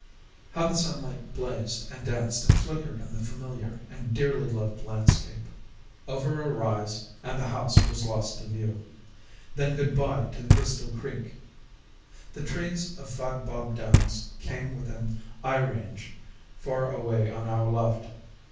How the sunlight blazed and danced and flickered on the familiar and dearly loved landscape! Over a rise, and the house was lost to view, then good bye to the crystal creek. The trees of Five Bob Downs came within eye range far away on our left.